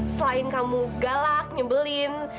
selain kamu galak nyebelin